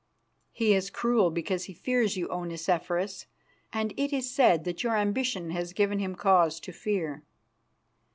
"He is cruel because he fears you, O Nicephorus, and it is said that your ambition has given him cause to fear."